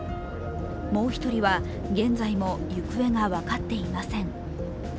もう一人は現在も行方が分かっていません。